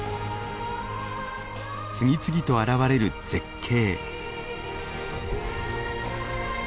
次々と現れる絶景。